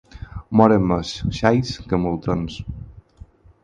Moren més xais que moltons.